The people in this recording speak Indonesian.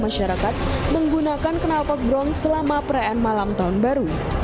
masyarakat menggunakan kenalpot bron selama perayaan malam tahun baru